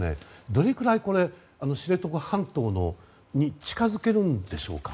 どれくらい知床半島に近づけるんでしょうか。